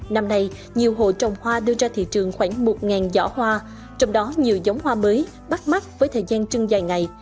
năm nay nhiều hộ trồng hoa đưa ra thị trường khoảng một giỏ hoa trong đó nhiều giống hoa mới bắt mắt với thời gian trưng dài ngày